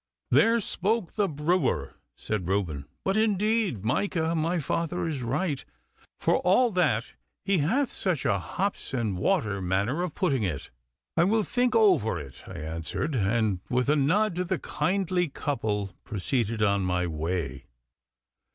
'There spoke the brewer,' said Reuben; 'but indeed, Micah, my father is right, for all that he hath such a hops and water manner of putting it.' 'I will think over it,' I answered, and with a nod to the kindly couple proceeded on my way.